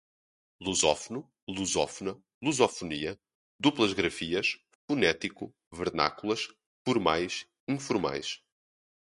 lusófono, lusófona, lusofonia, duplas grafias, fonético, vernáculas, formais, informais